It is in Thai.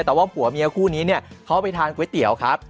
แต่ว่าผัวเมียคู่นี้เนี่ยเขาไปทานก๋วยเตี๋ยวครับ